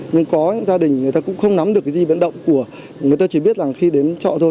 nhưng có những gia đình người ta cũng không nắm được cái di vận động của người ta chỉ biết rằng khi đến chợ thôi